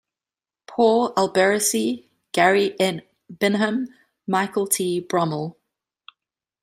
Paul Alberici - Gary M Binham - Michael T Bromell.